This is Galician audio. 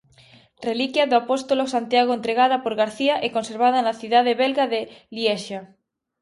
Reliquia do apóstolo Santiago entregada por García e conservada na cidade belga de Liexa.